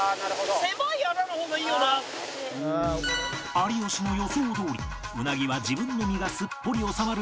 有吉の予想どおりウナギは自分の身がすっぽり収まる